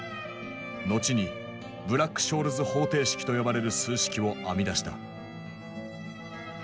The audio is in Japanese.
後に「ブラック・ショールズ方程式」と呼ばれる数式を編み出した。